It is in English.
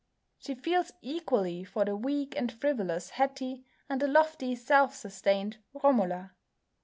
She feels equally for the weak and frivolous Hetty and the lofty, self sustained Romola.